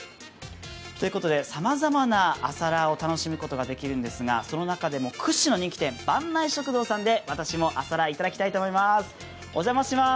さまざまな朝ラーを楽しむことができるんですがその中でも屈指の人気店、坂内食堂さんで私も朝ラー頂きたいと思います。